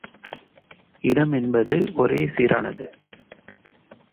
இடம் என்பது ஒரே சீரானது.